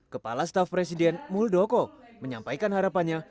kepala staf presiden muldoko menyampaikan harapannya